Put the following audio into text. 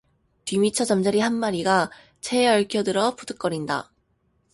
뒤미처 잠자리 한 마리가 채에 얽혀 들어 푸득거린다.